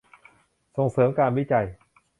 ส่งเสริมการวิจัย